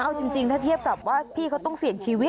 เอาจริงถ้าเทียบกับว่าพี่เขาต้องเสี่ยงชีวิต